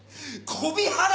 コビハラ。